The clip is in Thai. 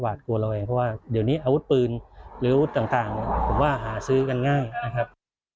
กลัวระแวงเพราะว่าเดี๋ยวนี้อาวุธปืนหรือต่างผมว่าหาซื้อกันง่ายนะครับ